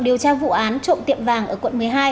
điều tra vụ án trộm tiệm vàng ở quận một mươi hai